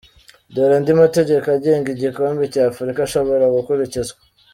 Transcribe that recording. Dore andi mategeko agenga igikombe cy’Afurika ashobora gukurikizwa :.